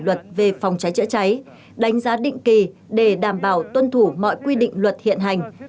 luật về phòng cháy chữa cháy đánh giá định kỳ để đảm bảo tuân thủ mọi quy định luật hiện hành